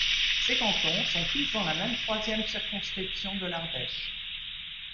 Ces cantons sont tous dans la même troisième circonscription de l'Ardèche.